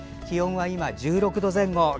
気温は今、１６度前後。